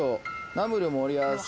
ナムル盛り合わせ。